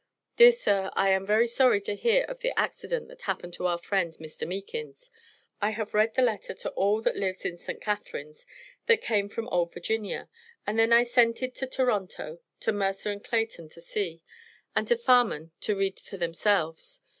Dear Sir, I am very sorry to hear of the Accadent that happened to our Friend Mr. Meakins, I have read the letter to all that lives in St. Catharines, that came from old Virginia, and then I Sented to Toronto to Mercer & Clayton to see, and to Farman to read fur themselves.